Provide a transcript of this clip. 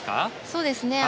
そうですね。